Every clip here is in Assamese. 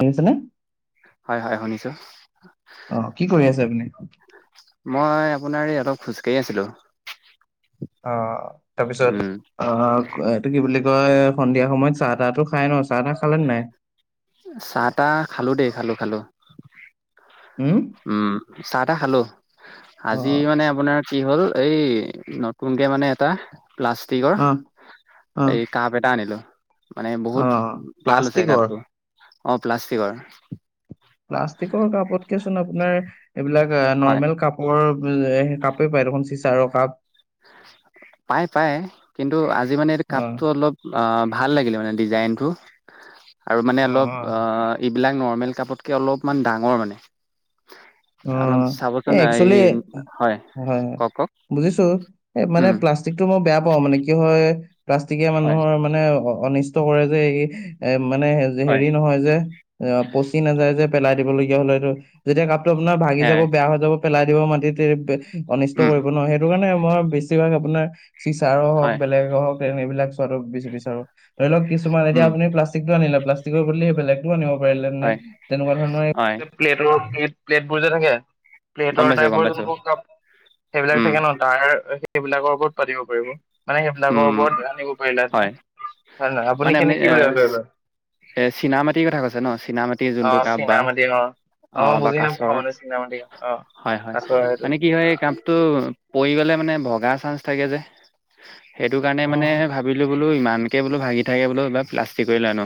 শুনিছে নে? হয়, হয়, শুনিছো। অ কি কৰি আছে আপুনি? মই আপোনাৰ এই অলপ খোজকাঢ়ি আছিলো। অ' তাৰপিছত, উম অ এইটো কি বুলি সন্ধিয়া সময়ত চাহ-তাহ ত খাই ন, চাহ-তাহ খালে নে নাই? চাহ-তাহ খালো দেই, খালো-খালো। উম, চাহ-তাহ খালো, আজি অ' মানে আপোনাৰ কি হ'ল এই নতুনকে মানে এটা প্লাষ্টিকৰ, অ' অ' এই কাপ এটা আনিলো। মানে বহুত অ' ভাল হৈছে প্লাষ্টিকৰ কাপটো, অ প্লাষ্টিকৰ। প্লাষ্টিকৰ কাপত কেচোন আপোনাৰ, এইবিলাক হয় নৰ্মেল কাপৰ কাপেই পায় দেখোন চিচাৰ কাপ। পাই-পাই কিন্তু আজি মানে এই অ' কাপটো অলপ অহ ভাল লাগিলে মানে। ডিজাইনটো, আৰু মানে অ' অলপ অ' এইবিলাক নৰ্মেল কাপতকে অলপমান ডাঙৰ মানে। অ অলপ চাবচোন এই একচুৱেলি হয় কওক কওক বুজিছো এ মানে উম প্লাষ্টিক টো মই বেয়া পাওঁ মানে কি হয় প্লাষ্টিকে হয় মানুহৰ মানে অনিষ্ট কৰে যে এই এ মানে হয় হেৰি নহয় যে পচি নাযায় যে পেলাই দিবলগীয়া হলে এইটো যেতিয়া ক আপোনাৰ ভাগি যাব হয় বেয়া হৈ যাব পেলাই দিব মাটিতে অনিষ্ট উম কৰিব ন সেইটো কাৰণে মই বেছিভাগ আপোনাৰ চিচাৰো হওক হয়, বেলেগ হওক তেনে এই বিলাক চোৱো বি বিচাৰো ধৰি লও কিছুমান এতিয়া উম, আনি [unintelligible] লািক টোনিলে প্লািক বুলিলে স বেলেগটো আনিব হয়, তেনেকুৱা হয়, ধৰণৰ প্লেটৰ প্লেট বোৰ যে থাকে গম প্লেটৰ পাইছো, গম টাইপৰ পাইছো। যোনবোৰ কাপ সেইবিলাক উম, থাকে ন ডায়ৰ সেইবিলাকৰ ওপৰত পাতিব মানে সেইপিলাকৰ উম, ওপৰত আনিব পাৰিলে হয়, আহয় আপুনি মানে কেনে কি এ বুলি এ চীনা মাটিৰ কথা কৈছে ন চীনা মাটিৰ অ যোনটো কাপ বা চীনামাটি অ অ মই বা বুজি কা নাপাওঁ মানে চীনামাটি অ কাছৰ সেইটো [unintelligible] মানে ভগা চান্স থাকে যে সেইটো কাৰণে মানে উম ভাবিলোঁ বোলো ইমানকে বোলো ভাগি থাকে বোলো এইবাৰ প্লাষ্টিক কৰি লৈ আনো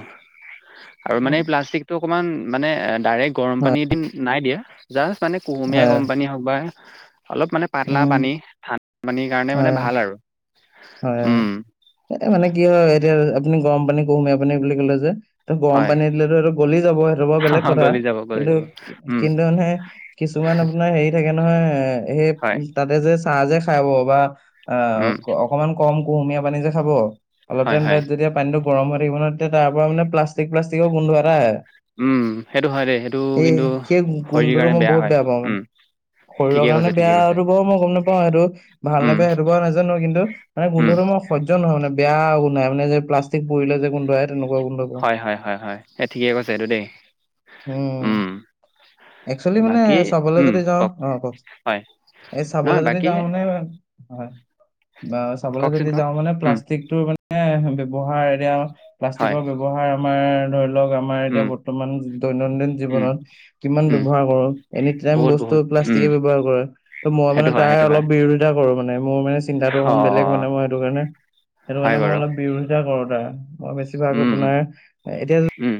আৰু উম মানে এই প্লাষ্টিকটো অকমান মানে ডাইৰেক্ গৰম হয় পানী দি নাই দিয়ে জা মানে কুহুমীয়া হয় গম পানী হওক বা অলপ মানে পাতলা উম পানী ঠানন্দা পানী সেই কাৰণে মানে হয় ভাল আৰু হয় উম, মানে কি হয় এতিয়া আপুনি গৰম পানী কুহুমীয়া পানী বুলি কলে যে ত গৰম হয়। পানী দিলেতো সটো গলি যাব সেইটো বাৰু বেলেগ কথা গলি যাব গলি কিন্তু যাব উম কিন্তু মানে কিছু কিমান আপোনাৰ হেৰি থাকে নহয় সেই হয় তাতে যে চাহ যে খাব বা উম অহ কুুমীয়া পানী যে খাব অল হয় হয় পানী গৰম থাকিবান তেয়া তাৰ পৰা মানে প্লাষ্টিক প্লাষ্টিকৰ গোন্ধ এটা উম সেইটো হয় দেই সেইটো এই কিন্তু সেই শৰীৰৰ গোন্ধটো কাৰণে মই বেয়া বহুত হয় পাওঁ মানে উম ঠিকে শৰীৰৰ কাৰণে কৈছে ঠিকে কৈছে বেয়াটো বাৰু মই গম নাপাওঁ সেইটো ভাল উম নেপেয় সেইটো ক নাজানো কিন্তু মানে উম গোন্ধটো মই সহ্য় নহয় মানে বেয়া গু নাই মানে যে প্লাষ্টিক পৰিৰিলে যে গোন্ধ তেনেকুৱা গোন্ধ পাওঁ। হয় হয় হয় হয় এই ঠিকে কৈছে এইটো দেই উম একচুৱেলি মানে বাকী চাবলৈ উম যদি যাওঁ কওক অ কক হয় এই চাবলৈ নহয় যদি বাকী যাওঁ নে হয় বা চাবলৈ কওকচোন যদি কওক যাওঁ মানে উম প্লাষ্টিকটোৰ মানে ব্যৱহাৰ এতিয়া হয় প্লাষ্টিকৰ ব্যৱহাৰ আমাৰ ধৰি [unintelligible] উম প্লাষ্টিকে উম উম বহুত বহুত উম ব্যৱহাৰ কৰে ত মই সেইটো মানে হয় তাই সেইটো অলপ হয় বিৰোধিতা কৰো মানে মোৰ মানে চিন্তাটো অ অণ বেলেগ মানে মই সেইটো কাৰণে সেইটো হয় কাৰণে মই বাৰু অলপ বিৰোধিতা কৰো তাৰ মই বেছিভাগ উম উম আপোনাৰ এতিয়া উম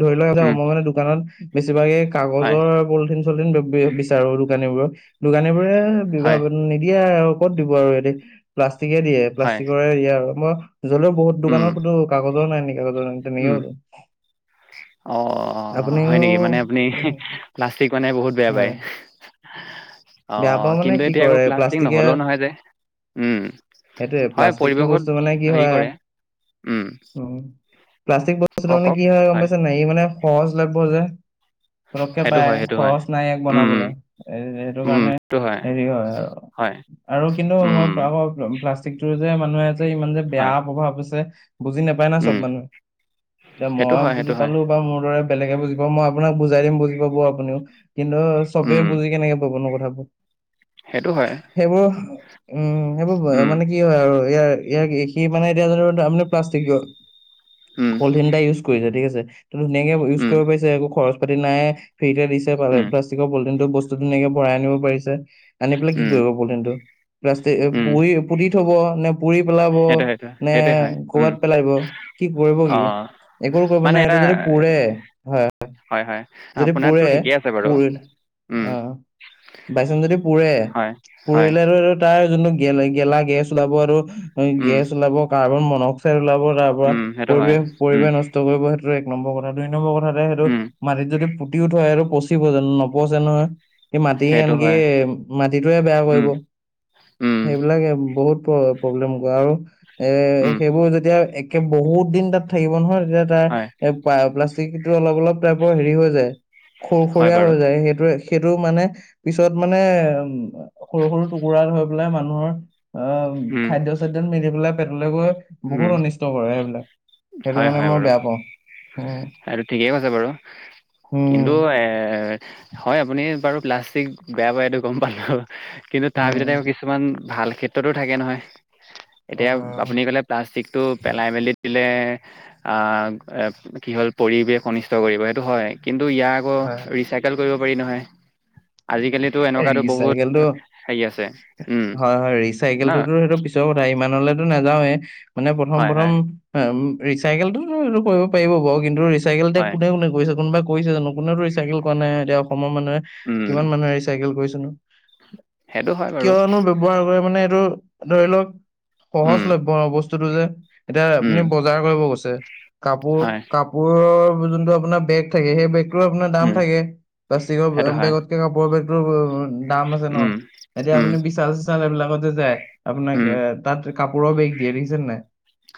ধৰি লওক এটা উম অকমান দোকানত বেছিভাগে হয় কাগজৰ পলিথিন বিচাৰো দোকানী বোৰৰ দোকানী বোৰে বিভ হয় নিদিয়ে আৰু ক'ত দিব আৰু এ প্লাষ্টিকে দিয়ে হয় প্লাষ্টিকৰে দিয়ে আৰু মই জলেও বহুত উম দোকানৰ কোনো কাগজৰ নাই নেকি কাগজৰ তেনেকে উম হল অ অ হয় নেকি মানে আপুনি প্লাষ্টিক মানে বহুত বেয়া পায় হয় অ বেয়া পাওঁ মানে কিন্তু কি এতিয়া আৌ কৰে প্লাষ্টিক প্লাষ্টিকে নহলেও নহয় যে উম সেইটোয়ে হয় প্লাষ্টিকটো পৰিৱেশত বস্তু মানে কি হেৰি হয় কৰে উম প্লাষ্টিক বস্তুটো কওক মানে কওক কি হয় গম পাইছে নেৰি মানে সহজ লাগব যে পটককে সেইটো পায় হয় সেইটো হয় খৰচ নাই ইয়াক উম বনাবলে উম এ উম [unintelligible] যে সেইটো হয় হয় উম মানুহে যে ইমান যে বেয়া হয় প্ৰভাৱ আছে বুজি নাপায় না চব উম মানুহে এতিয়া সেইটো মই হয় বুজি সেইটো হয় পালো বা মোৰ দৰে বেলেগে বুজি পাব মই আপোনাক বুজাই দিম বুজি পাব আপুনিও কিন্তু চবে উম বুজি কেনেকে পাবনো কথাবোৰ সেইটো হয় সেইবোৰ উম সেইবোৰ উম মানে কি হয় আৰু ইয়াৰ ইয়াৰ সি মানে এতিয়াো আ প্লাষ্টিক উম পলিথিন এটা ইউজ কৰিছে ঠিক আছে ত ধুনীয়াকে ইউজ উম কৰিব পাৰিছে একো খৰচ পাতি নাই ফ্ৰীতে দিছে উম প্লাষ্টিকৰ পলিটিনটো বস্তু ধুনিয়া ভৰাই নিব পাৰিছে আনি পেল কি উম কৰিব পলঠিনটো প্লাষ্টি--এ উম পুৰি পুৰি থব নে পুৰি পেলাব সেইটো সেইটো নে সেইটোৱে হয় উম কৰবাত পেলাই দিব কি কৰিব অ কি একো কৰিব মানে নাই এটা এইটো যদি পুৰে হয় হয় হয় যদি আপোনাৰতো পুৰে ঠিকেই আছে বাৰু পুৰিল উম অহ বাইচাঞ্চ যদি পুৰে হয় হয় পুৰিলে তাত তাৰ যোনটো গেলা গেছ ওলাব হেটো উম গেছ ওলাব কাৰ্বন মনঅক্সাইড ওলাব তাৰ পৰা উম, সেইটো হয়। পৰিৱেশ উম, পৰিৱেশ নষ্ট কৰিব সেইটো এক নম্বৰ কথা দুই নম্বৰ কথা তে সেইটো উম, তাক যদি পুতিও থোৱা হয় হেটো পচিব জানো নপচে নহয় সি মাটি সেইটো আনকি হয়। মাটিটোয়ে বেয়া কৰিব উম, উম, সেইবিলাকে বহুত প প্ৰব্লেম কৰে আৰু এ উম, সেইবোৰ যেতিয়া একে বহুত দিন তাত থাকিব নহয় য়া তাৰ হয়, এ প প্লাষ্টিকো অলপ অলপ টাইপৰ হেৰি হৈ যায় হয় খুৰখুৰীয়া বাৰু। হৈ যায় সেইটোৱে- সেইটো মানে পিছত মানে উ সৰু সৰু টুকুৰা হৈ পেলাই মানুহৰ অ উম, খাদ্য চাদ্যত মিলি পেলাই পেটলৈ গৈ বহুত উম, অনিষ্ট কৰে সেইবিলাক সেইটো হয়, কাৰণে হয় মই বাৰু। বেয়া পাওঁ উম সেইটো ঠিকেই কৈছে বাৰু কিন্তু উম এ হয় আপুনি বাৰু প্লাষ্টিক বেয়া পায় এইটো গম পালো কিন্তু তাৰ উম ভিতৰতে কিছুমান ভাল ক্ষেত্ৰতো থাকে নহয় এতিয়া উম আপুনি ক'লে প্লাষ্টিকটো পেলাই মেলি দিলে আহ এ কি হ'ল পৰিৱেশ অনিষ্ট কৰিব সেইটো হয় কিন্তু ইয়াৰ আকৌ হয় ৰিচাইকেল কৰিব পাৰি নহয় আজিকালিতো এনেকুৱাতো বহুত ৰিচাইকেলটো হেৰি আছে। উম, হয় হয় ন? ৰিচাইকেলটোতো সেইটো পিছৰ কথা ইমানলৈ নাযাওৱে মানে প্ৰথম হয়, হয়। প্ৰথম আ ম ৰিচাইকেল হেইটো কৰিব পাৰিব বাৰু চাইকেল এতি হয়, কোনেও নকৰিছে কোনোবা কৰিছে জানো কোনেওটো ৰিচাইকেল কৰা নাই এতিয়া অসমৰ মানুহে উম, কিমান মানুহে ৰিচাইকেল কৰিছে নো সেইটো হয় বাৰু। কিয়নো ব্যৱহাৰ কৰে মানে এইটো ধৰি লওক উম, সহজলভ্য বস্তু বস্তুটো যে এতিয়া উম, আপুনি বজাৰ কৰিব গৈছে কাপোৰ হয়, কাপোৰৰ যোনটো আপোনাৰ বেগ থাকে সেই বেগ টোৱে আপোনাৰ দাম উম, থাকে প্লাষ্টিকৰ সেইটো হয়। বেগকে কাপোৰৰ বেগটো দাম আছে ন উম, এতিয়া উম, আপুনি বিশাল চিচাল এইবিলাকতে যায় আপোনাক উম, এ তাত কাপোৰৰ বেগ দিয়ে দেখিছেনে নাই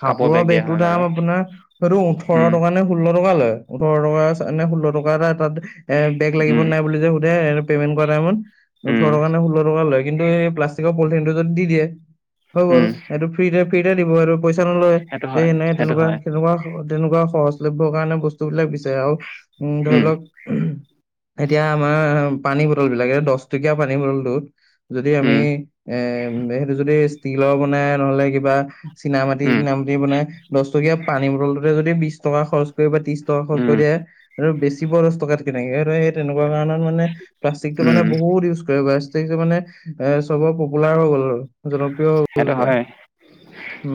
কাপোৰৰ বেগ দিয়া বেগটো হয় বাৰু। দাম আপোনাৰ হয়টো ওঠৰ উম, টকা নে ষোল টকা লয় ওঠৰ টকা নে ষোল্ল টকা এটা তাত এ বেগ লাগিব উম, নে নাই বুলি যে সু এ আমি পেমেণ্ট কৰা টাইমত উম, ওঠৰ টকা নে ষোল টকা লয় কিন্তু এই প্লাষ্টিকৰ পলিথিন টো যদি দি দিয়ে হৈ গ'ল উম, এইটো ফ্ৰীতে ফ্ৰীতে দিব আৰু পইচা নলয় সেইটো সেই হয়, এনে সেইটো তেনেকুৱা হয়। তেনেকুৱা তেনেকুৱা সহজলভ্য কাৰণে বস্তু বিলাক বিচাৰে আৰু উম ধৰি লওক এতিয়া মাআ পানী বটল বিলাক এ দছ টকীয়া পানী বটলটোত যদি আমি উম, এ উ সেইটো যদি ষ্টিলৰ বনাই নহলে কিবা চিনা মাটি উম, নাম দি বনায় দছ টকীয়া পানী বটলটোতে যদি বিছ টকা খৰচ কৰিব ত্ৰিশ টকা খৰচ কৰি উম, দিয়ে আৰু বেছি প দছ টকাত কিনে সেইটোৱে হে তেনেকুৱা কাৰণে মানে প্লাষ্টিক টো মানে উম, বহুত ইউজ কৰে প্লাষ্টিকটো মানে এ চবৰ পপুলাৰ হৈ গ'ল জনপ্ৰিয় হল সেইটো এতিয়া হয়,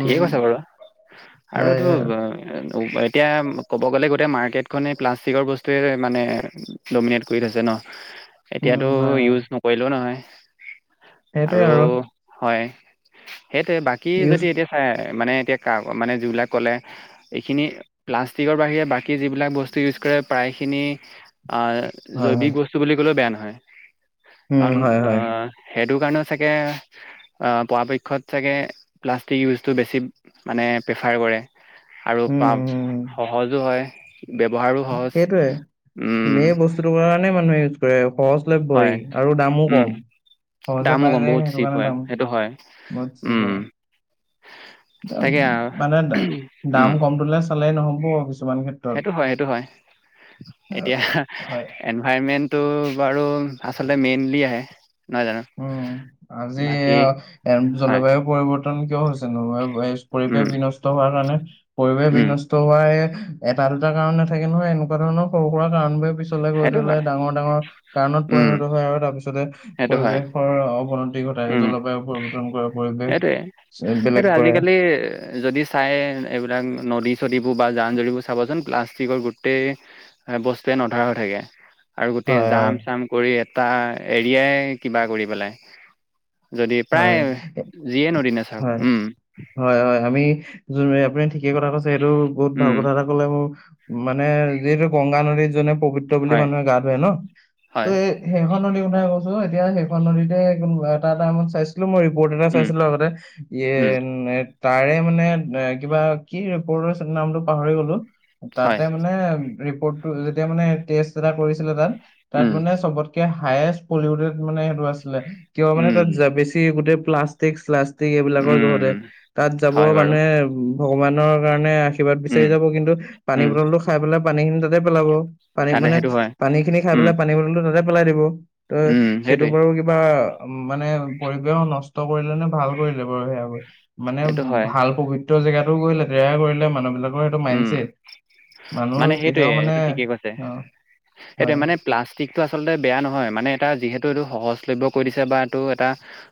ঠিকেই কৈছে বাৰু। আৰু হয়, টো হয়। এতিয়া ক'ব গ'লে গোটেই মাৰ্কেটখনেই প্লাষ্টিকৰ বস্তুৱে মানে ডমিনেট কৰি থৈছে ন উম, এতিয়াটো হয়, হয়। ইউজ নকৰিলেও নহয় আৰু হয় সেইটোৱে বাকী ইউজ যদি এতিয়া চা মানে এতিয়া কাল মানে যিবিলাক ক'লে এইখিনি প্লাষ্টিকৰ বাহিৰে বাকী যিবিলাক বস্তু ইউজ প্ৰায়খিনি হয়, হয়। জৈৱিক বস্তু বুলি ক'লেও বেয়া নহয়, উম, কাৰণ হয়, হয়। অ'। সেইটো কাৰণেও চাগে অ' পৰাপক্ষত চাগে প্লাষ্টিক ইউজটো বেছি মানে প্ৰেফাৰ কৰে। আৰু উম, পা সহজো হয়। ব্যৱহাৰো সহজ সেইটোয়ে উম বে বস্তুটোৰ কাৰণে মানুহে কৰে, সহজলভ্য ই হয় আৰু দামো উম কম। সহজে দামো পাই কম যায় বহুত সেইটো চিপ কাৰণে হয় দাম সেইটো হয় উম বহুত [unintelligible] তাকে আৰু মানে উম দাম কমটোলে চালেই নহ'ব। হ কিছুমান ক্ষেত্ৰত সেইটো হয় সেইটো আহ, এতিয়া হয়। এনভাইৰমেণ্টটো বাৰু। আচলতে মেইনলি আহে। নহয় জানো উম, আজি বাকী হয়, জলবায়ু পৰিৱৰ্তন কিয় হৈছে নল'ব। পৰিৱেশ উম, বিনষ্ট হোৱাৰ কাৰণে পৰিৱেশ উম, বিনষ্ট হোৱায়ে এটা দুটা কাৰণ নাথাকে নহয় এনেকুৱা ধৰণৰ সৰু সুৰা কাৰণ বো পিছলে গৈ সেইটো থ'লে হয়, ডাঙৰ ডাঙৰ কাৰণত উম, পৰিণত হয় আৰু তাৰ পিছতে সেইটো হয়, পৰিৱেশৰ অৱনতি ঘটায় উম, জলবায়ু পৰিৱৰ্তন কৰা পৰিৱেশ চ- বেলেগ এইটো কৰে আজিকালি যদি চাই এইবিলাক নদী চদীবোৰ বা জান জৰিবোৰ চাবচোন প্লাষ্টিকৰ গোটেই বস্তুৱে নধৰা হৈ থাকে। আৰু গোটেই হয় জাম হয় চাম কৰি এটা এৰিয়াই কিবা কৰি পেলাই। যদি হয় এ- প্ৰায় যিয়ে নদিনা হয় চাওঁক উম। হয় হয় আমি যোন আপুনি ঠিকেই কথা কৈছে সেইটো বহুত ভাল উম, কথা এটা ক'লে মোৰ মানে যিহেতু গংগা নদীত যোনে পবিত্ৰ বুলি হয়, মানুহে গা ধুৱে ন ত হয়, এই সেইখন নদী কথা কৈছো এতিয়া সেইখন নদীতে এটা এটাইমত চাইছিলো মৰি বতেটা উম, চাইছিলো আগতে ইয়ে উম, তাৰে মানে এ কিবা কি ৰিপৰ্টৰ নামটো পাহৰি গলো হয়, তাতে মানে। ৰিপৰ্ট যেতিয়া মানে টেষ্ট এটা কৰিছিলে তাত তাত উম, মানে চবতকে হায়েষ্ট পলিউটেড মানে সেইটো আছিলে কিয় মানে উম, তাত বেছি গোটেই প্লাষ্টিক্ল চাষ্টিক এইবিলাকৰ জহতে উম, তাত যাব হয় বাৰু, মানুহে ভগৱানৰ কাৰণে কিবাত বিচাৰি উম, যাব কিন্তু পানী উম, বটলটো খাই পেলাই পানী খিনি তাতে পেলাব। পানী তাতে মানে সেইটো হয়, পানী খিনি খাই উম, পেলাই পানী বটলটো তাতে পেলাই দিব। ত' উম, সেইটো সেইটোৱে, বাৰু কিবা মানে পৰিৱেশ নষ্ট কৰিলে নে ভাল কৰিলে বাৰু সেয়া মানে সেইটো হয়, ভাল পবিত্ৰ দ' জেগাটো গৈ লেতেৰা কৰিলে মানুহবিলাকৰ সেইটো উম। মাইণ্ডছেট। মানুহ কেতিয়াও মানে অ'। সেটো হয় মানে প্লাষ্টিকটো আচলতে বেয়া নহয় মানে এটা যিহেতু এইটো সহজ [unintelligible] কৰি দিছে বা এইটো এটা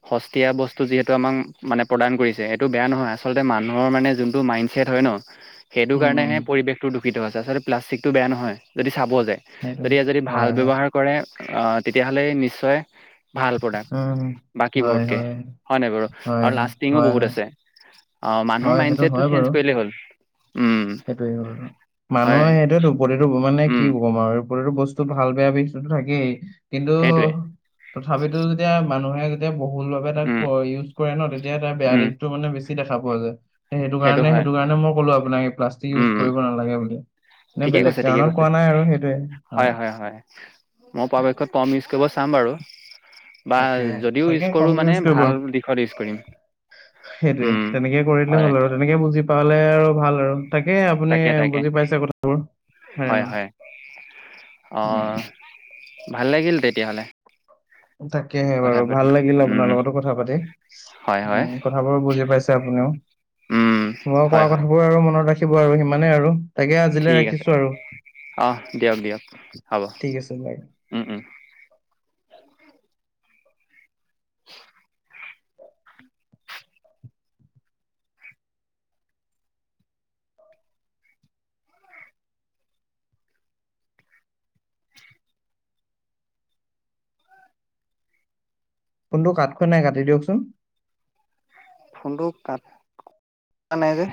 সস্তীয়া বস্তু যিহেতু আমাক মানে প্ৰদান কৰিছে এইটো বেয়া নহয় আচল মানুহৰ মানে যোনটো মাইণ্ডচেট হয় ন' সেইটো উম উম কাৰণেহে পৰিৱেশটো দূষিত আ হৈছে আচলতে প্লাষ্টিকটো বেয়া নহয় যদি চাব যায় সেইটো যদি যদি হয় ভাল হয় ব্যৱহাৰ কৰে অ', তেতিয়াহ'লে নিশ্চয় ভাল প্ৰডাক্ট উম হয় বাকীবোৰতকে হয় হয় নাই বাৰু হয় আৰু হয় লাষ্টিঙো হয় বহুত হয় আছে। অ', মানুহৰ হয় মাইড সেইটো হয় চটটো বাৰু চেঞ্জ কৰিলেই হ'ল। উম সেইটোৱে হয় মানুহে এইটোয়ো প্ৰতিটো মানে কি উম কম আৰু। ৰিতো বস্তু ভাল বেয়া বস্তু থাকেই কিন্তু সেইটোৱে তথাপিতো যেতিয়া মানুহে যেতিয়া বহুল ভাবে তাক উম ইউজ কৰে ন' তেতিয়া তাৰ বেয়া উম দিশতটো মানে বেছি দেখা পোৱা যায়। সেইটো কাৰণে সেইটো কাৰণে মই ক'লো আপোনাক এই প্লাষ্টিক উম ইউজ উম কৰিব নালাগে বুলি। নে ঠিকে বেলেগ কৈছে, ঠিকে কাৰণত কৈছে কোৱা নাই আৰু সেইটোৱে হয়, হয়, হয় মই পৰাপক্ষত প চাম বাৰু বা তাকে যদিও তাকে ইজ কৰো কমকে মানে ভাল দিশত ইজ কৰিম। সেইটোয়ে উম তেনেকে কৰিলে হয় হ'ল আৰু তেনেকে বুজি পালে আৰু ভাল আৰু। তাকে আপুনি তাকে তাকে বুজি পাইছে কথাবোৰ হয়ে হয় হয় নহ অ', ভাল লাগিল তেতিয়াহ'লে। তাকেহে কথা বাৰু পাতি ভাল লাগিল আপোনাৰ উম লগতো কথা পাতি হয় হয় উম, কথাবোৰ বুজি পাইছে আপুনিও। উম মই হয় কোৱা হয় কথাবোৰ আৰু মনত ৰাখিব আৰু সিমানেই আৰু। তাকে আজিলে ৰাখিছো আৰু। অ' দিয়ক- দিয়ক হ'ব, ঠিক আছে বাৰু উম-উম। [inaudible] ফোনটো কাট খোৱা নাই কাটি দিয়কচোন। ফোনটো কাট [unintelligible] নাই যে।